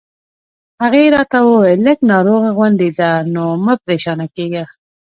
هغې راته وویل: لږ ناروغه غوندې ده، نو مه پرېشانه کېږه.